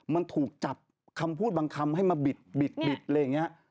มันถูกจับคำพูดบางคำให้มาบิดอะไรอย่างนี้